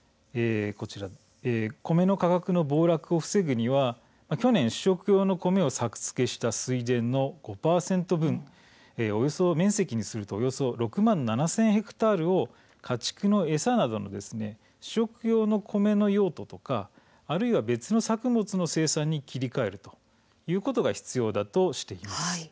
米の価格の暴落を防ぐには去年、主食用の米を作付けした水田の５％分およそ面積にすると６万７０００ヘクタールを家畜の餌などの主食用の米の用途とかあるいは別の作物の生産に切り替えるということが必要だとしています。